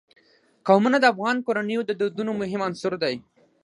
قومونه د افغان کورنیو د دودونو مهم عنصر دی.